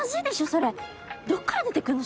それどっから出てくんの？